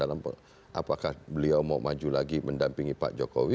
apakah beliau mau maju lagi mendampingi pak jokowi